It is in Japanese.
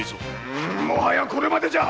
もはやこれまでじゃ！